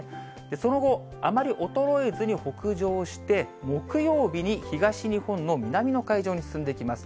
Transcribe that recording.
その後、あまり衰えずに北上して、木曜日に東日本の南の海上に進んでいきます。